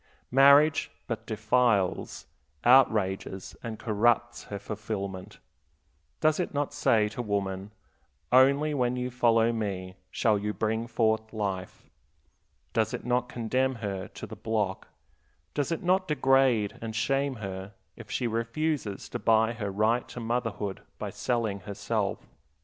Marriage but defiles, outrages, and corrupts her fulfillment. Does it not say to woman, Only when you follow me shall you bring forth life? Does it not condemn her to the block, does it not degrade and shame her if she refuses to buy her right to motherhood by selling herself?